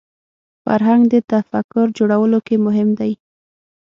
فرهنګ د تفکر جوړولو کې مهم دی